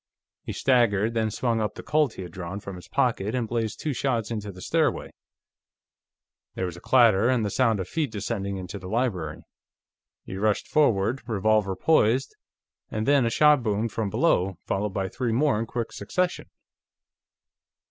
He staggered, then swung up the Colt he had drawn from his pocket and blazed two shots into the stairway. There was a clatter, and the sound of feet descending into the library. He rushed forward, revolver poised, and then a shot boomed from below, followed by three more in quick succession.